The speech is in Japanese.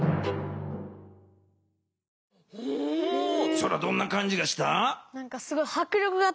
そらどんな感じがした？